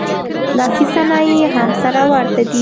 لاسي صنایع یې هم سره ورته دي